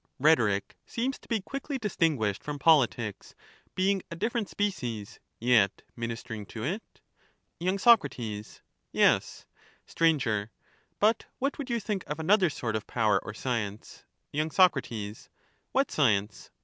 Rhetoric seems to be quickly distinguished from which is politics, being a different species, yet ministering to it. ^^. Y. Soc. Yes. to rhetoric, Sir. But what would you think of another sort of power or science ? Y. Soc. What science